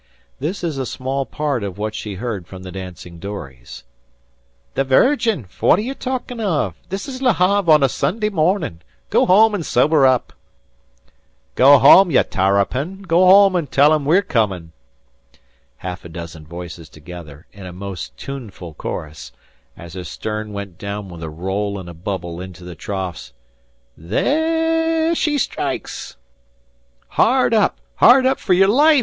This is a small part of what she heard from the dancing dories: "The Virgin? Fwhat are you talkin' of? 'This is Le Have on a Sunday mornin'. Go home an' sober up." "Go home, ye tarrapin! Go home an' tell 'em we're comin'." Half a dozen voices together, in a most tuneful chorus, as her stern went down with a roll and a bubble into the troughs: "Thay aah she strikes!" "Hard up! Hard up fer your life!